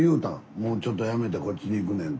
もうちょっとやめてこっちにいくねんと。